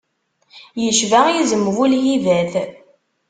Yecba izem bu lhibat.